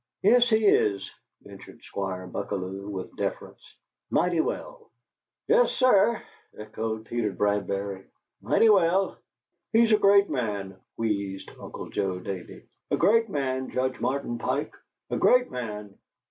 "Yes, he is," ventured Squire Buckalew, with deference; "mighty well." "Yes, sir," echoed Peter Bradbury; "mighty well." "He's a great man," wheezed Uncle Joe Davey; "a great man, Judge Martin Pike; a great man!"